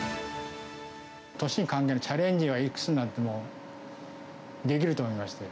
年は関係ない、チャレンジはいくつになってもできると思いまして。